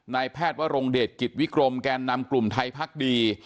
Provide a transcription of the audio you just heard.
นายแพทย์วรงเดชกิจวิกรมแกนนำกลุ่มไทยพักดี